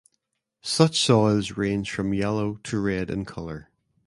Such soils range from yellow to red in colour.